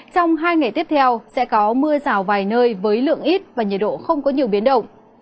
trong hai ngày tiếp theo sẽ có mưa rào vài nơi với lượng ít và nhiệt độ không có nhiều biến động